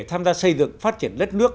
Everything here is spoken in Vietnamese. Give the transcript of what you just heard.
tham gia xây dựng phát triển đất nước